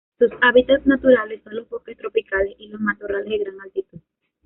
Sus hábitats naturales son los bosques tropicales y los matorrales de gran altitud.